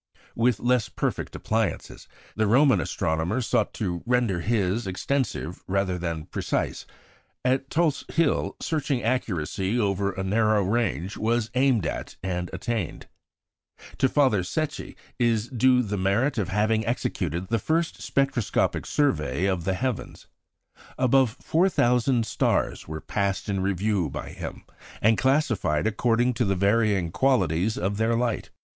With less perfect appliances, the Roman astronomer sought to render his extensive rather than precise; at Tulse Hill searching accuracy over a narrow range was aimed at and attained. To Father Secchi is due the merit of having executed the first spectroscopic survey of the heavens. Above 4,000 stars were passed in review by him, and classified according to the varying qualities of their light.